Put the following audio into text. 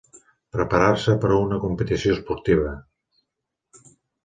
Preparar-se per a una competició esportiva.